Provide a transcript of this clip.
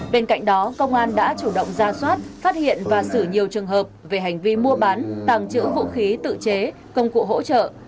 bên cạnh đó công an đã chủ động ra soát phát hiện và xử nhiều trường hợp về hành vi mua bán tàng trữ vũ khí tự chế công cụ hỗ trợ